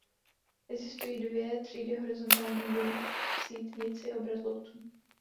Existují dvě třídy horizontálních buněk v sítnici obratlovců.